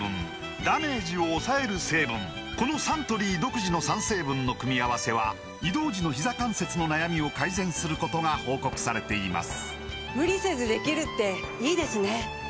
このサントリー独自の３成分の組み合わせは移動時のひざ関節の悩みを改善することが報告されています